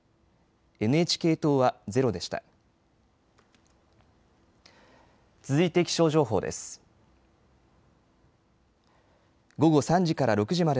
ＮＨＫ党はゼロでした。